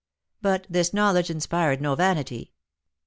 But this knowledge inspired no vanity.